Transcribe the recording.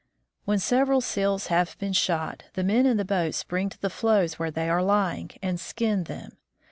When several seals have been shot, the men in the boat spring to the floes where they are lying and skin them.